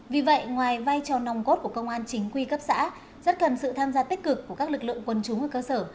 vì vậy ngoài vai trò nòng cốt của công an chính quy cấp xã rất cần sự tham gia tích cực của các lực lượng quân chúng ở cơ sở